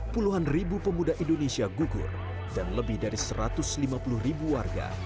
puluhan ribu pemuda indonesia gugur dan lebih dari satu ratus lima puluh ribu warga